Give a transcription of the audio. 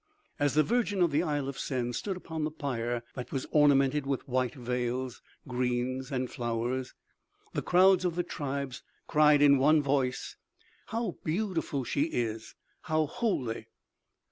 As the virgin of the Isle of Sen stood upon the pyre that was ornamented with white veils, greens and flowers, the crowds of the tribes cried in one voice: "How beautiful she is!... How holy!"